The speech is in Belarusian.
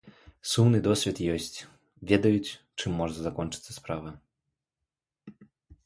Сумны досвед ёсць, ведаюць, чым можа закончыцца справа.